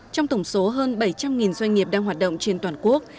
trong tổng số hơn bảy trăm linh doanh nghiệp đang hoạt động trên toàn quốc